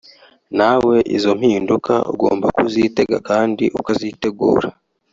nawe izo mpinduka ugomba kuzitega kandi ukazitegura